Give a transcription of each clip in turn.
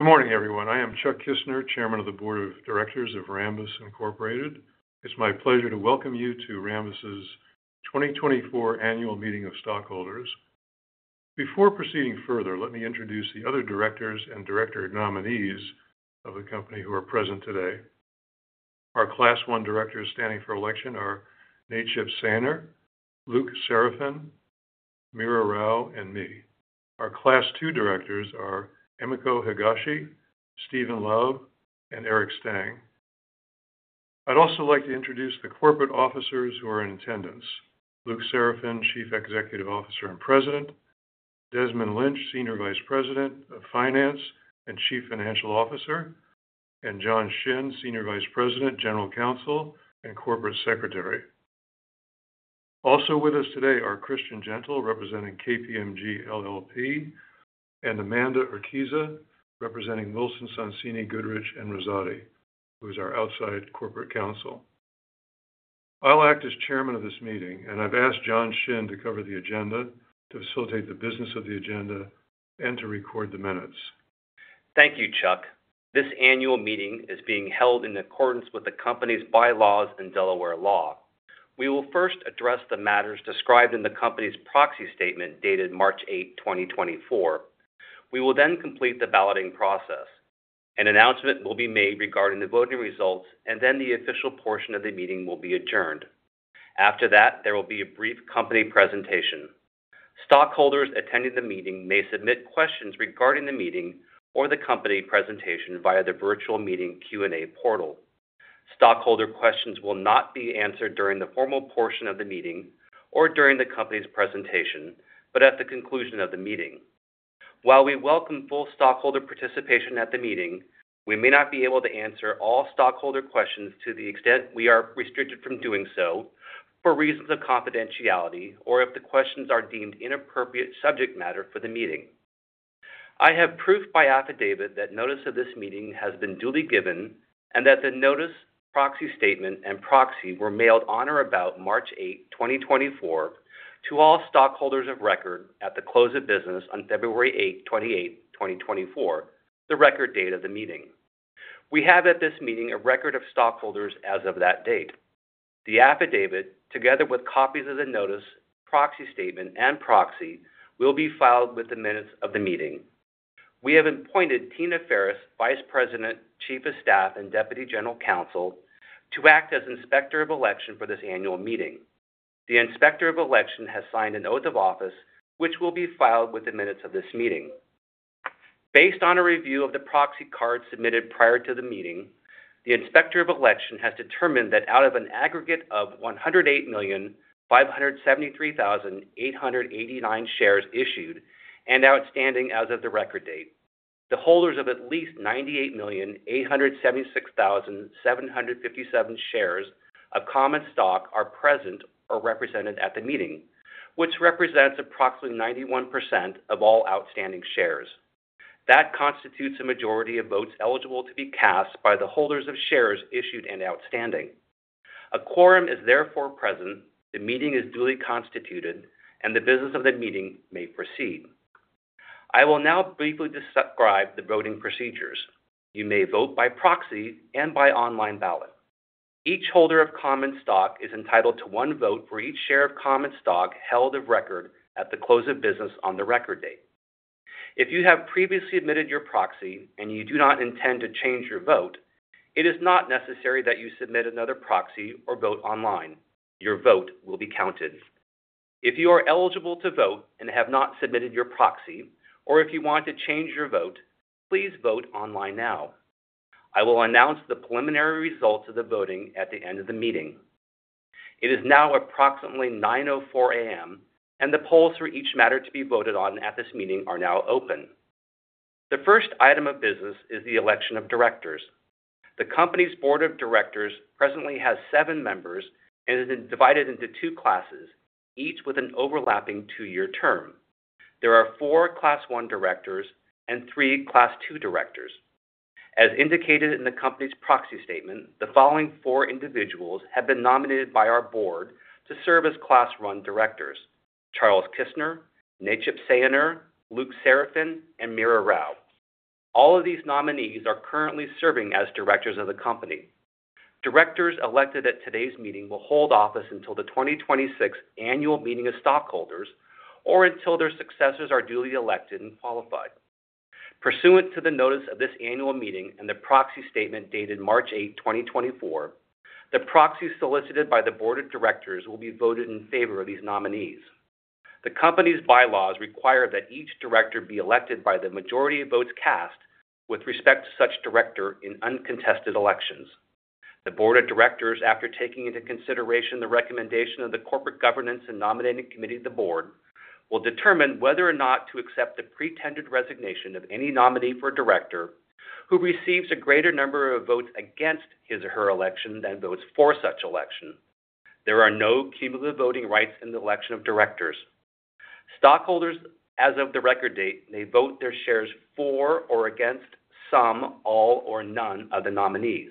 Good morning, everyone. I am Charles Kissner, Chairman of the Board of Directors of Rambus Incorporated. It's my pleasure to welcome you to Rambus's 2024 Annual Meeting of Stockholders. Before proceeding further, let me introduce the other directors and director nominees of the company who are present today. Our Class One Directors standing for election are Necip Sayiner, Luc Seraphin, Meera Rao, and me. Our Class Two Directors are Emiko Higashi, Steven Laub, and Eric Stang. I'd also like to introduce the corporate officers who are in attendance. Luc Seraphin, Chief Executive Officer and President, Desmond Lynch, Senior Vice President of Finance and Chief Financial Officer, and John Shinn, Senior Vice President, General Counsel, and Corporate Secretary. Also with us today are Christian Gentle, representing KPMG LLP, and Amanda Urquiza, representing Wilson Sonsini Goodrich & Rosati, who is our outside corporate counsel. I'll act as chairman of this meeting, and I've asked John Shinn to cover the agenda, to facilitate the business of the agenda, and to record the minutes. Thank you, Chuck. This annual meeting is being held in accordance with the company's bylaws and Delaware law. We will first address the matters described in the company's proxy statement, dated March 8, 2024. We will then complete the balloting process. An announcement will be made regarding the voting results, and then the official portion of the meeting will be adjourned. After that, there will be a brief company presentation. Stockholders attending the meeting may submit questions regarding the meeting or the company presentation via the virtual meeting Q&A portal. Stockholder questions will not be answered during the formal portion of the meeting or during the company's presentation, but at the conclusion of the meeting. While we welcome full stockholder participation at the meeting, we may not be able to answer all stockholder questions to the extent we are restricted from doing so for reasons of confidentiality or if the questions are deemed inappropriate subject matter for the meeting. I have proof by affidavit that notice of this meeting has been duly given and that the notice, Proxy Statement, and proxy were mailed on or about March 8, 2024, to all stockholders of record at the close of business on February 8, 2024, the Record Date of the meeting. We have at this meeting a record of stockholders as of that date. The affidavit, together with copies of the notice, Proxy Statement, and proxy, will be filed with the minutes of the meeting. We have appointed Tina Farris, Vice President, Chief of Staff, and Deputy General Counsel, to act as Inspector of Election for this annual meeting. The Inspector of Election has signed an oath of office, which will be filed with the minutes of this meeting. Based on a review of the proxy card submitted prior to the meeting, the Inspector of Election has determined that out of an aggregate of 108,573,889 shares issued and outstanding as of the record date, the holders of at least 98,876,757 shares of common stock are present or represented at the meeting, which represents approximately 91% of all outstanding shares. That constitutes a majority of votes eligible to be cast by the holders of shares issued and outstanding. A quorum is therefore present, the meeting is duly constituted, and the business of the meeting may proceed. I will now briefly describe the voting procedures. You may vote by proxy and by online ballot. Each holder of common stock is entitled to one vote for each share of common stock held of record at the close of business on the record date. If you have previously admitted your proxy and you do not intend to change your vote, it is not necessary that you submit another proxy or vote online. Your vote will be counted. If you are eligible to vote and have not submitted your proxy, or if you want to change your vote, please vote online now. I will announce the preliminary results of the voting at the end of the meeting. It is now approximately 9:04 A.M., and the polls for each matter to be voted on at this meeting are now open. The first item of business is the election of directors. The company's board of directors presently has seven members and is divided into two classes, each with an overlapping two-year term. There are four Class One Directors and three Class Two Directors. As indicated in the company's proxy statement, the following four individuals have been nominated by our board to serve as Class One Directors: Charles Kissner, Necip Sayiner, Luc Seraphin, and Meera Rao. All of these nominees are currently serving as directors of the company. Directors elected at today's meeting will hold office until the 2026 Annual Meeting of Stockholders or until their successors are duly elected and qualified. Pursuant to the notice of this annual meeting and the proxy statement dated March 8, 2024, the proxy solicited by the board of directors will be voted in favor of these nominees. The company's bylaws require that each director be elected by the majority of votes cast with respect to such director in uncontested elections. The board of directors, after taking into consideration the recommendation of the Corporate Governance and Nominating Committee of the board, will determine whether or not to accept the tendered resignation of any nominee for director who receives a greater number of votes against his or her election than votes for such election. There are no cumulative voting rights in the election of directors. Stockholders, as of the record date, may vote their shares for or against some, all, or none of the nominees.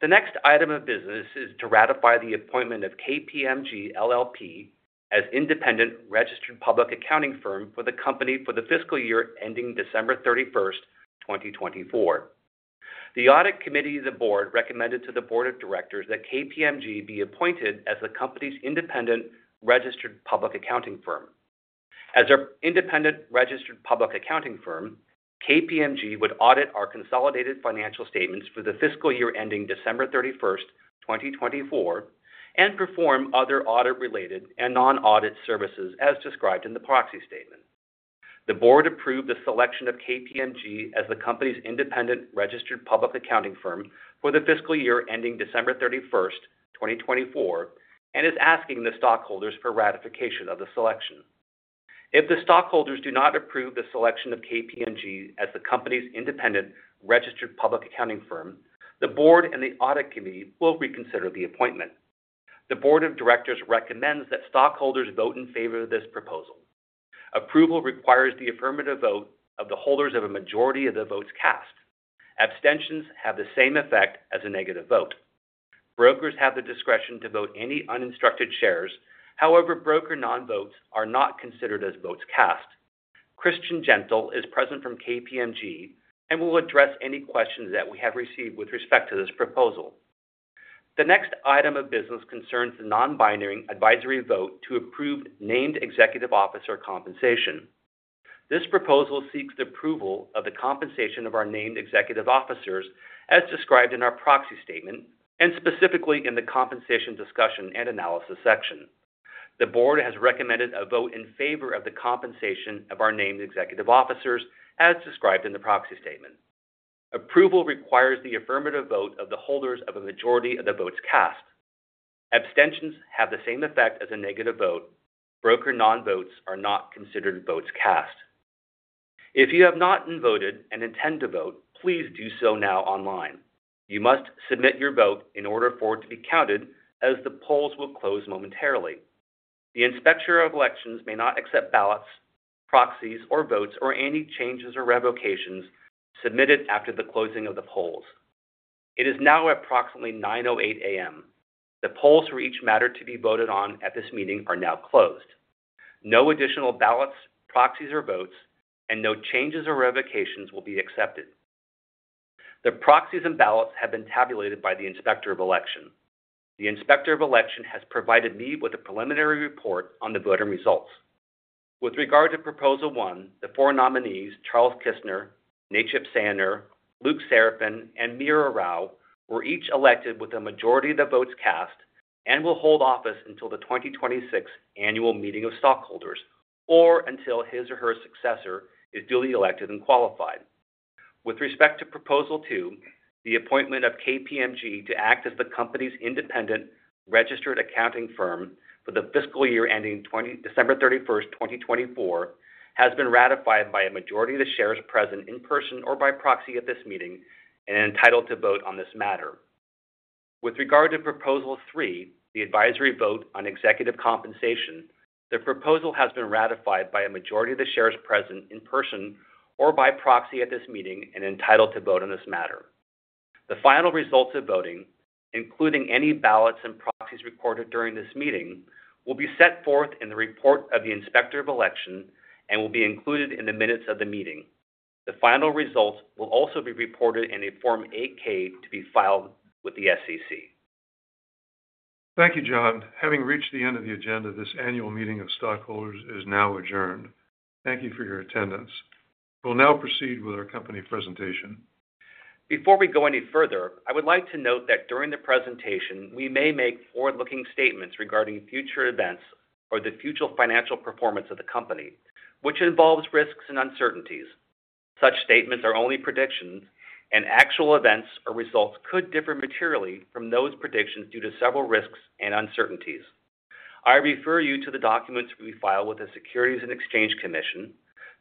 The next item of business is to ratify the appointment of KPMG LLP as independent registered public accounting firm for the company for the fiscal year ending December 31, 2024. The Audit Committee of the board recommended to the board of directors that KPMG be appointed as the company's independent registered public accounting firm. As our independent registered public accounting firm, KPMG would audit our consolidated financial statements for the fiscal year ending December 31, 2024, and perform other audit-related and non-audit services as described in the proxy statement. The board approved the selection of KPMG as the company's independent registered public accounting firm for the fiscal year ending December 31, 2024, and is asking the stockholders for ratification of the selection. If the stockholders do not approve the selection of KPMG as the company's independent registered public accounting firm, the board and the audit committee will reconsider the appointment. The board of directors recommends that stockholders vote in favor of this proposal. Approval requires the affirmative vote of the holders of a majority of the votes cast. Abstentions have the same effect as a negative vote. Brokers have the discretion to vote any uninstructed shares. However, broker non-votes are not considered as votes cast. Christian Gentle is present from KPMG and will address any questions that we have received with respect to this proposal. The next item of business concerns the non-binding advisory vote to approve named executive officer compensation. This proposal seeks the approval of the compensation of our named executive officers, as described in our proxy statement and specifically in the compensation discussion and analysis section. The board has recommended a vote in favor of the compensation of our named executive officers, as described in the Proxy Statement. Approval requires the affirmative vote of the holders of a majority of the votes cast. Abstentions have the same effect as a negative vote. broker non-votes are not considered votes cast. If you have not been voted and intend to vote, please do so now online. You must submit your vote in order for it to be counted, as the polls will close momentarily. The Inspector of Elections may not accept ballots, proxies, or votes, or any changes or revocations submitted after the closing of the polls. It is now approximately 9:08 A.M. The polls for each matter to be voted on at this meeting are now closed. No additional ballots, proxies or votes, and no changes or revocations will be accepted. The proxies and ballots have been tabulated by the Inspector of Election. The Inspector of Election has provided me with a preliminary report on the voting results. With regard to Proposal One, the four nominees, Charles Kissner, Necip Sayiner, Luc Seraphin, and Meera Rao, were each elected with a majority of the votes cast and will hold office until the 2026 Annual Meeting of Stockholders, or until his or her successor is duly elected and qualified. With respect to Proposal Two, the appointment of KPMG to act as the company's independent registered accounting firm for the fiscal year ending December 31, 2024, has been ratified by a majority of the shares present in person or by proxy at this meeting and entitled to vote on this matter. With regard to Proposal Three, the advisory vote on executive compensation, the proposal has been ratified by a majority of the shares present in person or by proxy at this meeting and entitled to vote on this matter. The final results of voting, including any ballots and proxies recorded during this meeting, will be set forth in the report of the Inspector of Election and will be included in the minutes of the meeting. The final results will also be reported in a Form 8-K to be filed with the SEC. Thank you, John. Having reached the end of the agenda, this annual meeting of stockholders is now adjourned. Thank you for your attendance. We'll now proceed with our company presentation. Before we go any further, I would like to note that during the presentation, we may make forward-looking statements regarding future events or the future financial performance of the company, which involves risks and uncertainties. Such statements are only predictions, and actual events or results could differ materially from those predictions due to several risks and uncertainties. I refer you to the documents we filed with the Securities and Exchange Commission,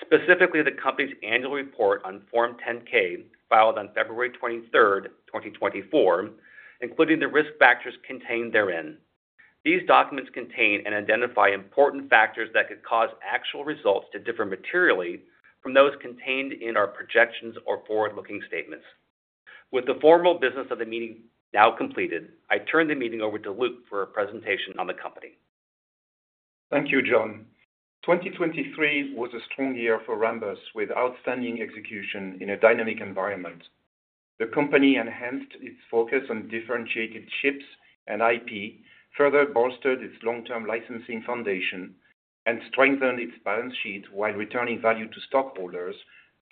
specifically the company's annual report on Form 10-K, filed on February 23, 2024, including the risk factors contained therein. These documents contain and identify important factors that could cause actual results to differ materially from those contained in our projections or forward-looking statements. With the formal business of the meeting now completed, I turn the meeting over to Luc for a presentation on the company. Thank you, John. 2023 was a strong year for Rambus, with outstanding execution in a dynamic environment. The company enhanced its focus on differentiated chips and IP, further bolstered its long-term licensing foundation, and strengthened its balance sheet while returning value to stockholders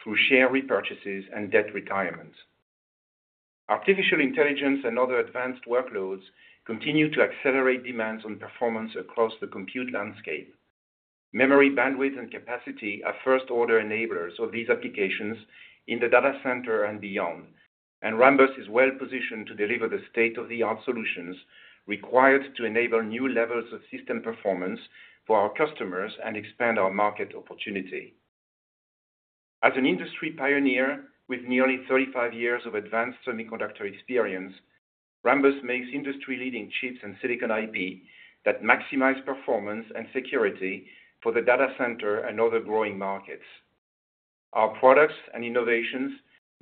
through share repurchases and debt retirements. Artificial intelligence and other advanced workloads continue to accelerate demands on performance across the compute landscape. Memory, bandwidth, and capacity are first-order enablers of these applications in the data center and beyond, and Rambus is well positioned to deliver the state-of-the-art solutions required to enable new levels of system performance for our customers and expand our market opportunity. As an industry pioneer with nearly 35 years of advanced semiconductor experience, Rambus makes industry-leading chips and silicon IP that maximize performance and security for the data center and other growing markets. Our products and innovations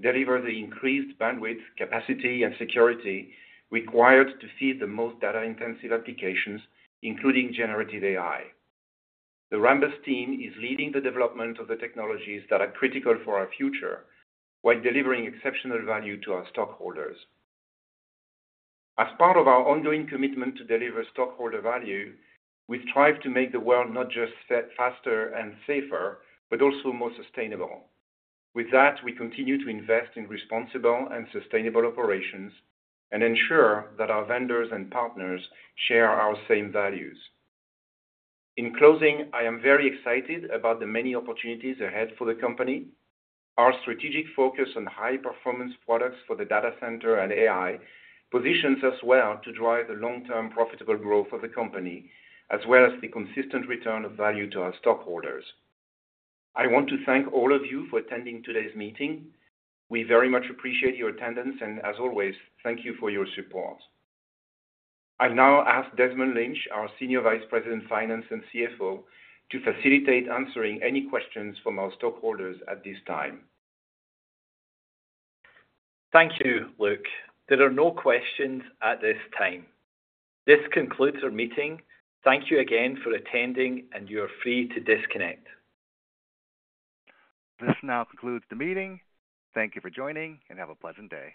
deliver the increased bandwidth, capacity, and security required to feed the most data-intensive applications, including generative AI. The Rambus team is leading the development of the technologies that are critical for our future, while delivering exceptional value to our stockholders. As part of our ongoing commitment to deliver stockholder value, we strive to make the world not just get faster and safer, but also more sustainable. With that, we continue to invest in responsible and sustainable operations and ensure that our vendors and partners share our same values. In closing, I am very excited about the many opportunities ahead for the company. Our strategic focus on high-performance products for the data center and AI positions us well to drive the long-term profitable growth of the company, as well as the consistent return of value to our stockholders. I want to thank all of you for attending today's meeting. We very much appreciate your attendance, and as always, thank you for your support. I now ask Desmond Lynch, our Senior Vice President, Finance and CFO, to facilitate answering any questions from our stockholders at this time. Thank you, Luc. There are no questions at this time. This concludes our meeting. Thank you again for attending, and you are free to disconnect. This now concludes the meeting. Thank you for joining, and have a pleasant day.